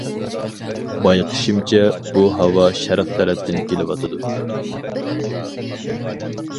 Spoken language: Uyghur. بايقىشىمچە، بۇ ھاۋا شەرق تەرەپتىن كېلىۋاتىدۇ.